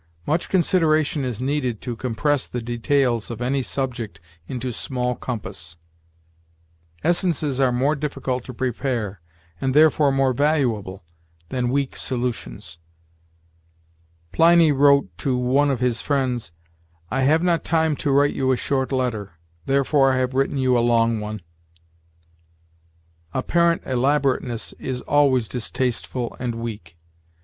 Much consideration is needed to compress the details of any subject into small compass. Essences are more difficult to prepare, and therefore more valuable, than weak solutions. Pliny wrote to one of his friends, 'I have not time to write you a short letter, therefore I have written you a long one.' Apparent elaborateness is always distasteful and weak.